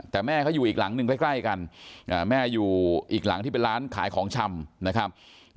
แต่แม่เขาอยู่อีกหลังหนึ่งใกล้กันแม่อยู่อีกหลังที่เป็นร้านขายของชำนะครับ